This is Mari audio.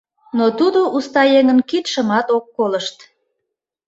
Но тудо уста еҥын кидшымат ок колышт.